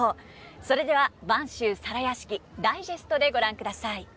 それでは「播州皿屋敷」ダイジェストでご覧ください。